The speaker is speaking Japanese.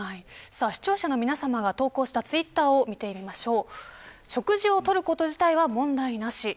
視聴者の皆さまが投稿したツイッターを見てみましょう。